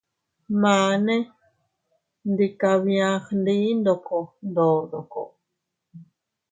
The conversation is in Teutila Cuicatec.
Mane ndi kabia gndi ndoko ndodoko.